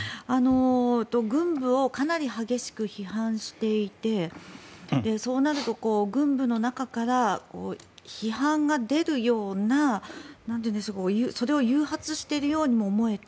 軍部をかなり激しく批判していてそうなると、軍部の中から批判が出るようなそれを誘発しているようにも思えて。